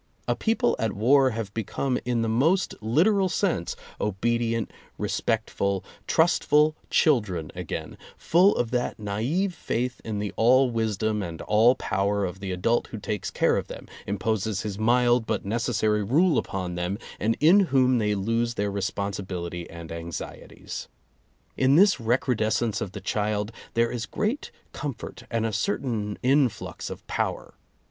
A people at war have become in the most literal sense obedient, respectful, trustful children again, full of that naive faith in the all wisdom and all power of the adult who takes care of them, imposes his mild but necessary rule upon them and in whom they lose their responsibility and anxieties. In this recru descence of the child, there is great comfort, and a certain influx of power.